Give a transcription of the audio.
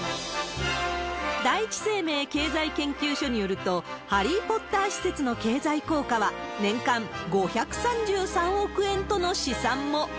第一生命経済研究所によると、ハリー・ポッター施設の経済効果は年間５３３億円との試算も。